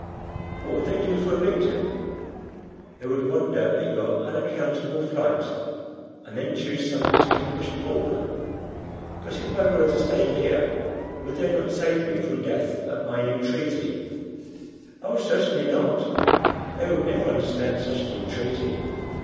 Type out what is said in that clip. "What would they do for a victim?" "They would wonder at your unaccountable flight, and then choose some distinguished pauper." "But if I were to stay here, would they not save me from death at my entreaty?" "Oh, certainly not; they would never understand such an entreaty.